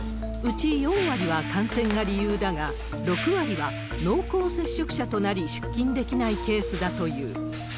うち４割は感染が理由だが、６割は濃厚接触者となり、出勤できないケースだという。